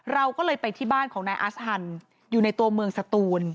เราก็เลยไปที่บ้านของนายอาสฮันอยู่ในตัวเมืองสตูน